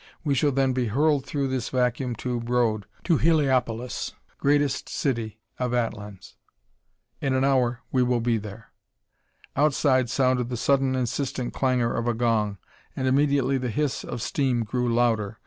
We shall then be hurled through this vacuum tube road to Heliopolis, greatest city of Atlans. In an hour we will be there." Outside sounded the sudden insistent clangor of a gong, and immediately the hiss of steam grew louder.